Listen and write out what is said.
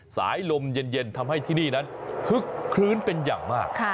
สายลมเย็นทำให้ที่นี่นั้นฮึกคลื้นเป็นอย่างมาก